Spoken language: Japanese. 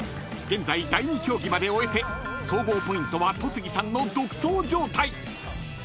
［現在第２競技まで終えて総合ポイントは戸次さんの独走状態］